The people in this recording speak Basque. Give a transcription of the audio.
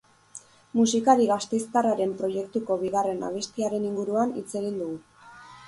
Musikari gasteiztarraren proiektuko bigarren abestiaren inguruan hitz egin dugu.